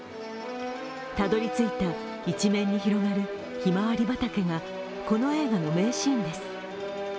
たどり着いた一面に広がるひまわり畑が、この映画の名シーンです。